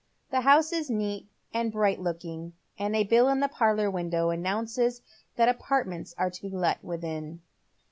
The house is neat and bright looking, and a bill in the parlour window announces that apart ments are to be let within.